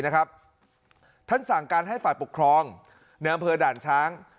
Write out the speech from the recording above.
ท่านสั่งการให้ฝ่ายปกครองในอำเภอด่านช้าง